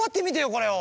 これを。